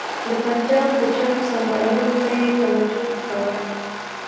د پنجاب د چارو سمبالولو ته یې توجه نه کوله.